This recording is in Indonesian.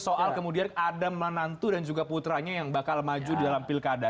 soal kemudian ada menanantu dan juga putranya yang bakal maju dalam pilkada